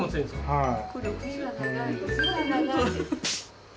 はい。